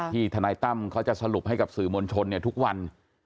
ทนายตั้มเขาจะสรุปให้กับสื่อมวลชนทุกวัน